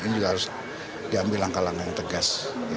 ini juga harus diambil langkah langkah yang tegas